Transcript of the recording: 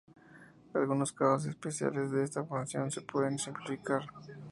Algunos casos especiales de esta función se puede simplificar.